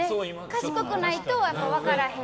賢くないと分からへん。